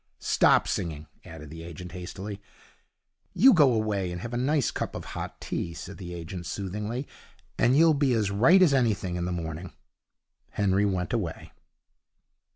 'Stop singing,' added the agent, hastily. 'You go away and have a nice cup of hot tea,' said the agent, soothingly, 'and you'll be as right as anything in the morning.' Henry went away.